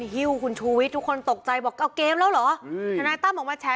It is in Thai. ฮิวคุณชวิททุกคนตกใจบอกเอ้าเกมแล้วเหรอ